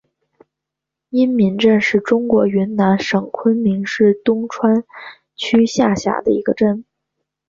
因民镇是中国云南省昆明市东川区下辖的一个镇。